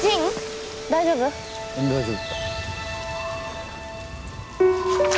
うん大丈夫。